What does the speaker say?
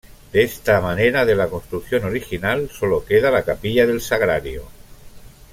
De esta manera de la construcción original sólo queda la Capilla del Sagrario.